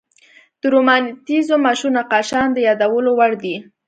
د رومانتیزم مشهور نقاشان د یادولو وړ دي.